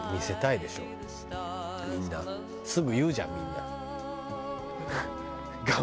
すぐ言うじゃんみんな。